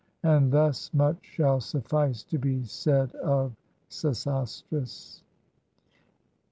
And thus much shall suffice to be said of Sesostris.